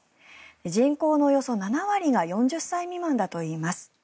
人口のおよそ７割が４０歳未満だといいます。